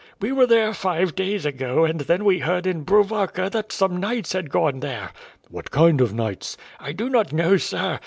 "We were there five days ago and then we heard in Brov aka that some knights had gone there," "What kind of knights?" "1 do not know sir.